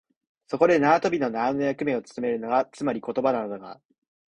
そこで縄跳びの縄の役目をつとめるのが、つまり言葉なのだが、